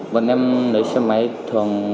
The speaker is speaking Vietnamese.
bọn em lấy xe máy thường